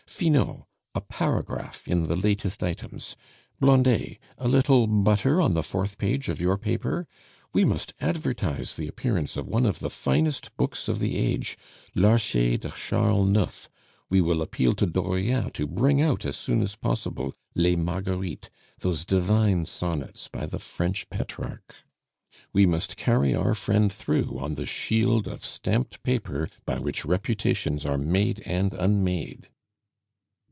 Finot, a paragraph in the 'latest items'! Blondet, a little butter on the fourth page of your paper! We must advertise the appearance of one of the finest books of the age, l'Archer de Charles IX.! We will appeal to Dauriat to bring out as soon as possible les Marguerites, those divine sonnets by the French Petrarch! We must carry our friend through on the shield of stamped paper by which reputations are made and unmade."